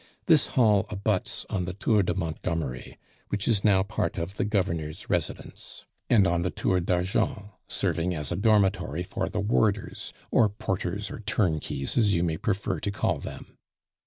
This hall abuts on the Tour de Montgomery which is now part of the governor's residence and on the Tour d'Argent, serving as a dormitory for the warders, or porters, or turnkeys, as you may prefer to call them.